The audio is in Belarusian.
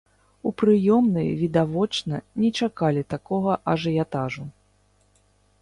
У прыёмнай відавочна не чакалі такога ажыятажу.